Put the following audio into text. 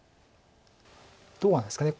どうなんですかね。